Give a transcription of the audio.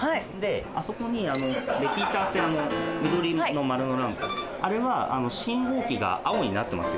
あそこにレピーターって緑色の丸のランプあれは信号機が青になってます